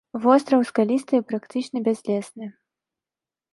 Востраў скалісты і практычна бязлесны.